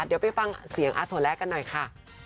เดี๋ยวไปฟังเสียงอาถั่กันหน่อยค่ะ